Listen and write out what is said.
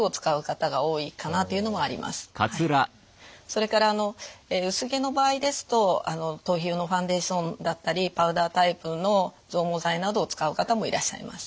それからあの薄毛の場合ですと頭皮用のファンデーションだったりパウダータイプの増毛剤などを使う方もいらっしゃいます。